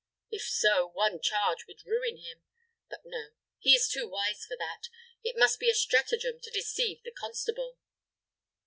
If so, one charge would ruin him. But no; he is too wise for that. It must be a stratagem to deceive the Constable."